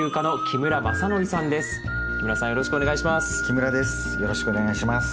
木村さんよろしくお願いします。